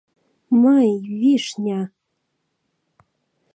— Мый, Вишня!